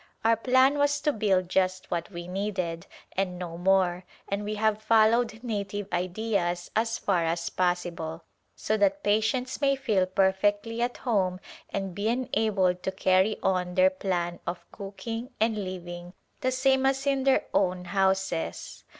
Our plan was to build just what we needed and no more and we have followed native ideas as far as possible, so that patients may feel perfectly at home and be enabled to carry on their plan of cooking and living the same as in their own houses.